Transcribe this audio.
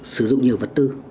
sử dụng nhiều vật tư